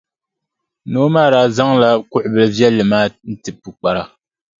Noo maa daa zaŋla kuɣʼ bilʼ viɛlli maa n-ti pukpara.